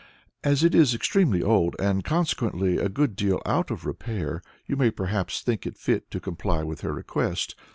As it is extremely old, and consequently a good deal out of repair, you may perhaps think fit to comply with her request.